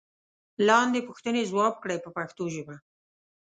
لاندې پوښتنې ځواب کړئ په پښتو ژبه.